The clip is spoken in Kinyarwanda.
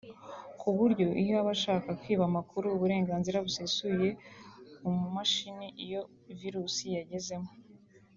ku buryo iha abashaka kwiba amakuru uburenganzira busesuye ku mashini iyo virusi yagezemo